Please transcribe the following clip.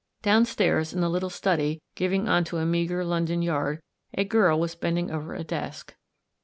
Downstairs, in the little study giving on a meagre London yard, a girl was bending over a desk.